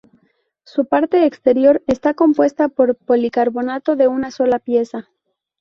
Su parte exterior está compuesta por policarbonato de una sola pieza.